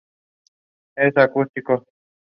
Attempts have also been made to cover the short notes.